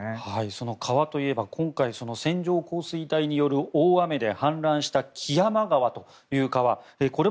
その川といえば今回、線状降水帯による大雨で氾濫した木山川という川